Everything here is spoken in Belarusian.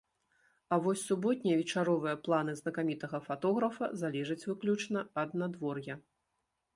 А вось суботнія вечаровыя планы знакамітага фатографа залежаць выключна ад надвор'я.